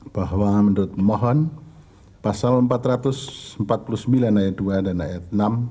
bahwa menurut pemohon pasal empat ratus empat puluh sembilan ayat dua dan ayat enam